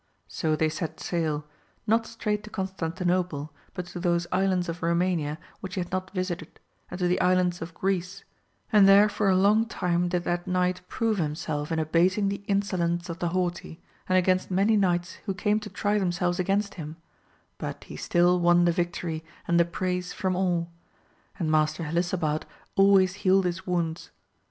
So they set sail, not straight to Constantinople, but to those islands of Eomania which he had not visited, and to the islands of Greece, and there for a long time did that knight prove himself in abating the insolence 272 AMADIS OF GAUL of the haughty and against many knights who came to try themselves against him, but he still won the victory and the praise &om all ; and Master Helisabad always healed his wounds.